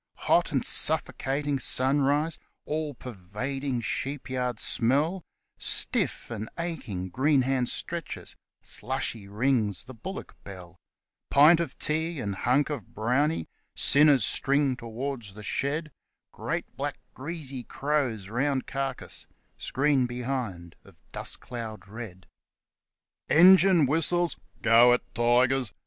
Hot and suffocating sunrise all pervading sheep yard smell Stiff and aching green hand stretches ' Slushy' rings the bullock bell Pint of tea and hunk of brownie sinners string towards the shed Great, black, greasy crows round carcass screen behind of dust cloud red. 148 TEE GREEN HAND ROUSEABUUT Engine whistles. ' Go it, tigers